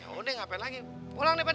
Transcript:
ya udah ngapain lagi pulang deh pak